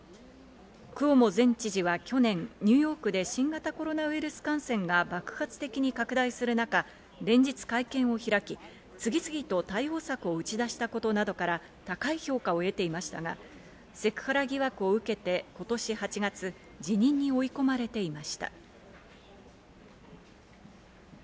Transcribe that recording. クオモ前知事は去年、ニューヨークで新型コロナウイルス感染が爆発的に拡大する中、連日会見を開き、次々と対応策を打ち出したことなどから高い評価を得ていましたが、セクハラ疑惑を受けて今年８月、辞任に追い込まれていました。